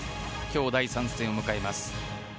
今日、第３戦を迎えます。